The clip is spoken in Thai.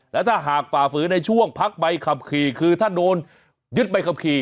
แล้วถ้าหากฝ่าฝืนในช่วงพักใบขับขี่คือถ้าโดนยึดใบขับขี่